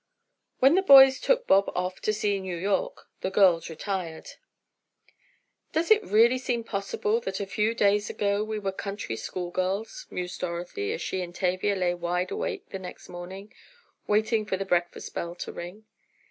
When the boys took Bob off to see New York, the girls retired. "Does it really seem possible that a few days ago we were country school girls?" mused Dorothy, as she and Tavia lay wide awake the next morning, waiting for the breakfast bell to ring.